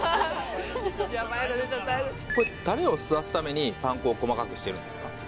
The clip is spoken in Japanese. これタレを吸わすためにパン粉を細かくしてるんですか？